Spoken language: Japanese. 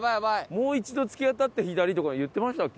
もう一度突き当たって左とか言ってましたっけ？